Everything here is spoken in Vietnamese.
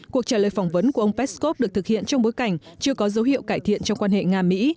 cuộc trả lời phỏng vấn của ông peskov được thực hiện trong bối cảnh chưa có dấu hiệu cải thiện trong quan hệ nga mỹ